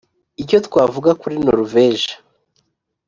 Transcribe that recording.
Icyo twavuga kuri Noruveje